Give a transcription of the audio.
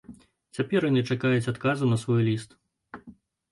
Цяпер яны чакаюць адказу на свой ліст.